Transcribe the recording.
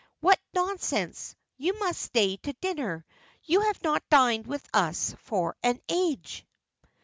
"What nonsense! You must stay to dinner. You have not dined with us for an age."